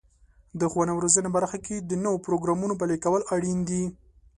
د ښوونې او روزنې برخه کې د نوو پروګرامونو پلي کول اړین دي.